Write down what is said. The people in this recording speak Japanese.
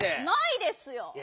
ないですよ！